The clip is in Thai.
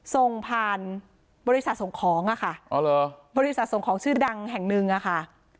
ส่งผ่านบริษัทส่งของอะค่ะบริษัทส่งของชื่อดังแห่งหนึ่งอะค่ะ